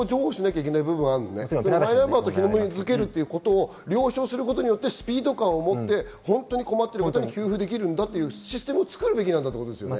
マイナンバーと紐づけることを了承することでスピード感を持って、本当に困っている方に給付できるシステムを作るべきだということですね。